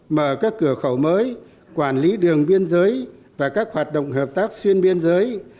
mở các cửa khẩu mới quản lý đường biên giới và các hoạt động hợp tác xuyên biên giới